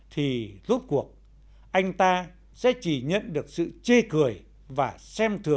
thì rốt cuộc anh ta sẽ chỉ nhận được sự chê chết